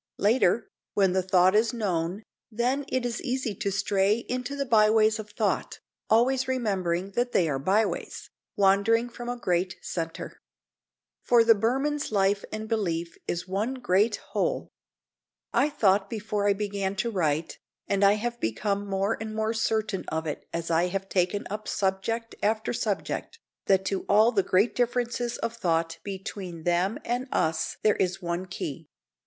Later, when the thought is known, then it is easy to stray into the byways of thought, always remembering that they are byways, wandering from a great centre. For the Burman's life and belief is one great whole. I thought before I began to write, and I have become more and more certain of it as I have taken up subject after subject, that to all the great differences of thought between them and us there is one key.